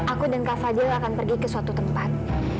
aku dan kak fadil akan pergi ke suatu tempat